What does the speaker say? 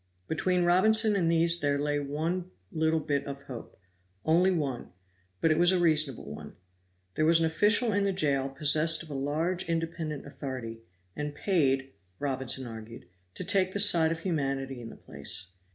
Between Robinson and these there lay one little bit of hope only one, but it was a reasonable one. There was an official in the jail possessed of a large independent authority; and paid (Robinson argued) to take the side of humanity in the place.